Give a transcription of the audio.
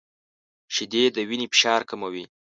• شیدې د وینې فشار کموي.